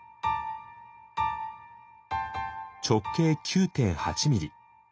直径９．８ミリ。